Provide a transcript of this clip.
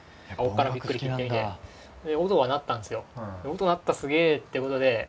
音鳴ったすげえ！ってことで。